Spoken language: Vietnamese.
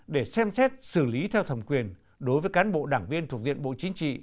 để xem xét xử lý theo thẩm quyền đối với cán bộ đảng viên thuộc diện bộ chính trị